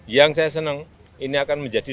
yang saya senang ini akan menjadi